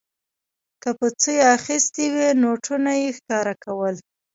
که په څه اخیستې وې نوټونه یې ښکاره کول.